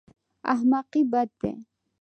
احمقي بد دی.